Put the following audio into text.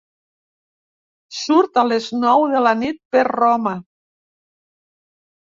Surt a les nou de la nit per Roma.